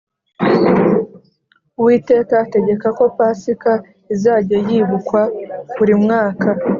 Uwiteka ategeka ko Pasika izajya yibukwa buri mwaka